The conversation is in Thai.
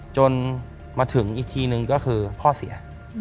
จนมาถึงอีกทีนึงก็คือพ่อเสีย